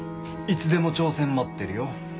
いつでも挑戦待ってるよ。